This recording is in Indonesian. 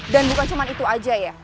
dan bukan cuma itu aja ya